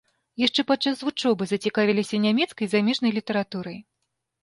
Яшчэ падчас вучобы зацікавіліся нямецкай і замежнай літаратурай.